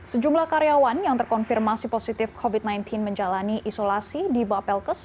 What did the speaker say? sejumlah karyawan yang terkonfirmasi positif covid sembilan belas menjalani isolasi di bapelkes